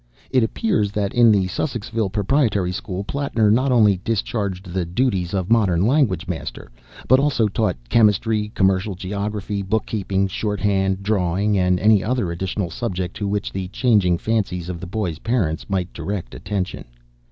It appears that in the Sussexville Proprietary School, Plattner not only discharged the duties of Modern Languages Master, but also taught chemistry, commercial geography, bookkeeping, shorthand, drawing, and any other additional subject to which the changing fancies of the boys' parents might direct attention.